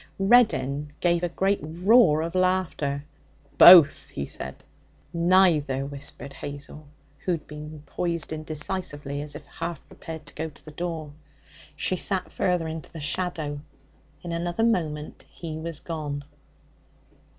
Reddin gave a great roar of laughter. 'Both!' he said. 'Neither!' whispered Hazel, who had been poised indecisively, as if half prepared to go to the door. She sat further into the shadow. In another moment he was gone.